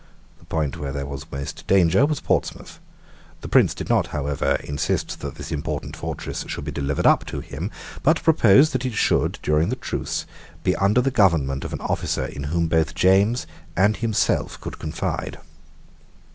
The point where there was most danger was Portsmouth. The Prince did not however insist that this important fortress should be delivered up to him, but proposed that it should, during the truce, be under the government of an officer in whom both himself and James could confide.